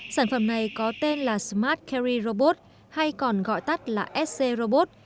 sản phẩm này có tên là smart carri robot hay còn gọi tắt là sc robot